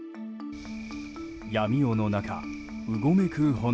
闇夜の中、うごめく炎。